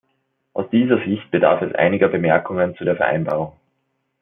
Aus dieser Sicht bedarf es einiger Bemerkungen zu der Vereinbarung.